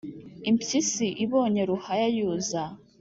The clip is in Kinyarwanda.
impyisi ibonye ruhaya yuza,